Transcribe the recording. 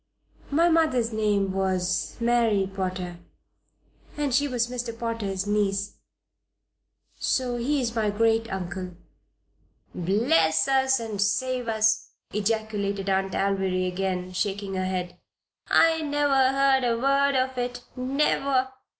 "My mother's name was Mary Potter, and she was Mr. Potter's niece. So he is my great uncle." "Bless us and save us!" ejaculated Aunt Alviry, again, shaking her head. "I never heard a word of it never!